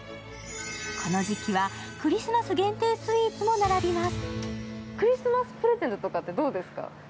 この時期はクリスマス限定スイーツも並びます。